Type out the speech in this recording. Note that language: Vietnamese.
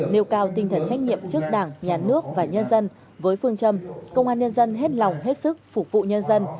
nêu cao tinh thần trách nhiệm trước đảng nhà nước và nhân dân với phương châm công an nhân dân hết lòng hết sức phục vụ nhân dân